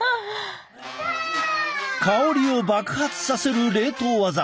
香りを爆発させる冷凍ワザ。